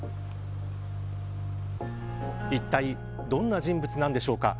いったいどんな人物なのでしょうか。